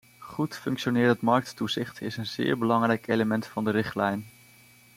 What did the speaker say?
Goed functionerend markttoezicht is een zeer belangrijk element van de richtlijn.